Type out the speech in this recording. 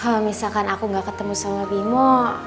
kalau misalkan aku gak ketemu sama bimo